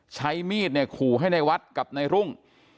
ใช้มีดเนี่ยขู่ให้ในวัดกับในรุ่ง